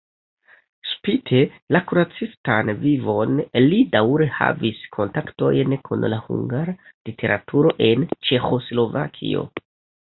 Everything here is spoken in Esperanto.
Spite la kuracistan vivon li daŭre havis kontaktojn kun la hungara literaturo en Ĉeĥoslovakio.